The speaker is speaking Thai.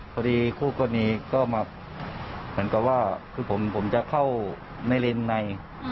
พอดีคู่คนนี้ใี้ม็นกตัวว่าเพราะผมจะเข้าเมื่อในนัอย